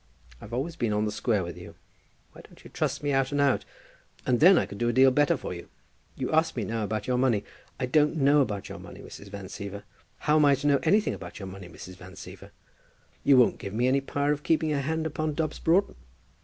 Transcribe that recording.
I've always been on the square with you. Why don't you trust me out and out, and then I could do a deal better for you. You ask me now about your money. I don't know about your money, Mrs. Van Siever. How am I to know anything about your money, Mrs. Van Siever? You don't give me any power of keeping a hand upon Dobbs Broughton.